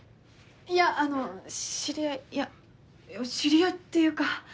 いやあのう知り合いいや知り合いっていうか。